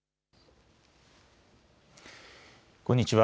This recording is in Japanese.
こんにちは。